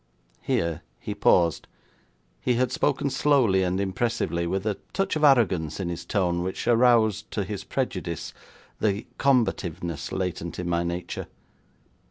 Here he paused; he had spoken slowly and impressively, with a touch of arrogance in his tone which aroused to his prejudice, the combativeness latent in my nature.